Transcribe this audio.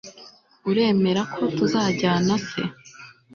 uremera ko tuzajyana, se